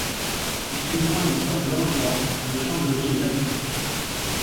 Grignon est distante d'environ de Chambéry et d'Annecy.